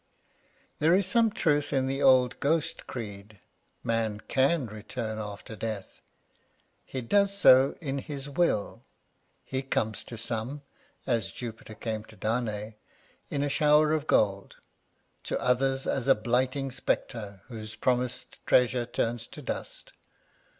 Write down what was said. There is some truth in the old ghost creed ; man can return after death ; he does so in his will. He comes to some, as Jupiter came to Danae, in a shower of gold ; to others, as a blighting spectre, whose promised treasures turn to dust.